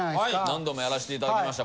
何度もやらせていただきました。